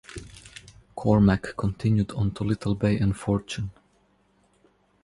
Cormack continued on to Little Bay and Fortune.